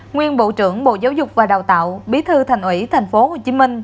nguyên bộ trưởng bộ giáo dục và đào tạo bí thư thành ủy tp hcm